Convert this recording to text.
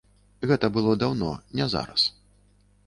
Гэта было даўно, не зараз.